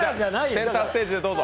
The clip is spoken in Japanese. センターステージへどうぞ。